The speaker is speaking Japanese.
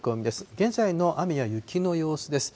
現在の雨や雪の様子です。